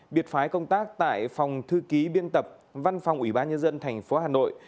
biệt phái công tác tại phòng thư ký biên tập văn phòng ủy ban nhân dân tp hà nội